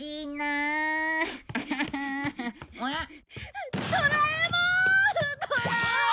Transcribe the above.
あっ。